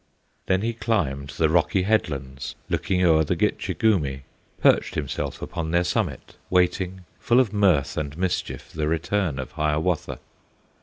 Then he climbed the rocky headlands, Looking o'er the Gitche Gumee, Perched himself upon their summit, Waiting full of mirth and mischief The return of Hiawatha.